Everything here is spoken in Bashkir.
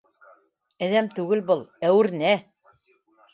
Әҙәм түгел был, әүернә!